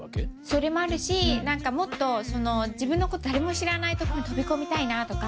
それもあるしもっと自分のことを誰も知らないとこに飛び込みたいなとか。